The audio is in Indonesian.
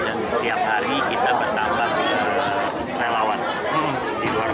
dan tiap hari kita bertambah dengan relawan di luar partai